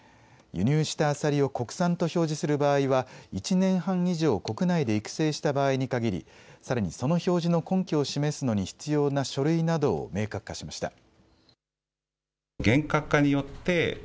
輸入したアサリを国産と表示する場合は１年半以上、国内で育成した場合に限りさらにその表示の根拠を示すのに必要な書類などを明確化しました。